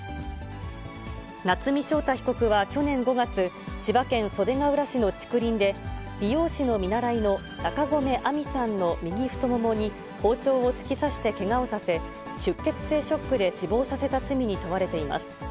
夏見翔太被告は去年５月、千葉県袖ケ浦市の竹林で、美容師の見習の中込愛美さんの右太ももに包丁を突き刺してけがをさせ、出血性ショックで死亡させた罪に問われています。